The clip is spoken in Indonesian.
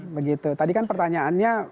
begitu tadi kan pertanyaannya